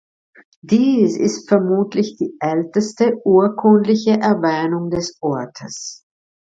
Dies ist vermutlich die älteste urkundliche Erwähnung des Ortes.